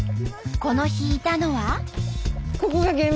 この日いたのは。